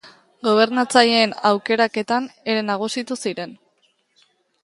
Gobernatzaileen aukeraketan ere nagusitu ziren.